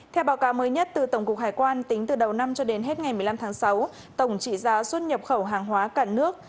theo báo cáo mới nhất từ tổng cục hải quan tính từ đầu năm cho đến hết ngày một mươi năm tháng sáu tổng trị giá xuất nhập khẩu hàng hóa cả nước